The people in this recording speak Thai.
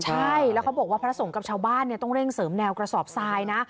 ใช่แล้วเขาบอกว่าพระสงฆ์กับชาวบ้านต้องเร่งเสริมแนวกระสอบทรายนะ